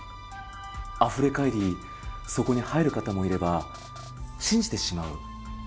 あふれ返りそこに入る方もいれば信じてしまう。